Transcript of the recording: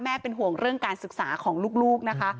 เป็นห่วงเรื่องการศึกษาของลูกนะคะ